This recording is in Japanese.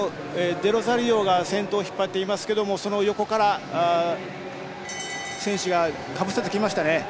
デロザリオが先頭を引っ張っていますがその横から、選手がかぶせてきましたね。